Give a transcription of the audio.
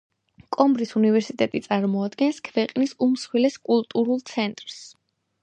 კოიმბრის უნივერსიტეტი წარმოადგენს ქვეყნის უმსხვილეს კულტურულ ცენტრს.